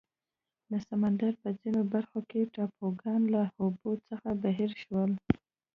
د سمندر په ځینو برخو کې ټاپوګان له اوبو څخه بهر شول.